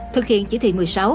thực hiện chỉ thị một mươi sáu